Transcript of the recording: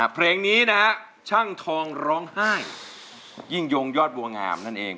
เพลงนี้นะฮะช่างทองร้องไห้ยิ่งยงยอดบัวงามนั่นเอง